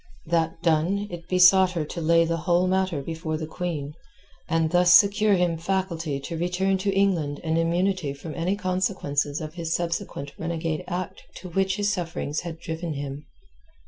That done, it besought her to lay the whole matter before the Queen, and thus secure him faculty to return to England and immunity from any consequences of his subsequent regenade act to which his sufferings had driven him.